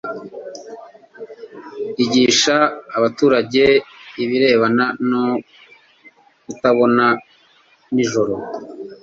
igisha abaturage ibirebana no kutabona nijoro